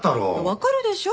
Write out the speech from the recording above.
分かるでしょ。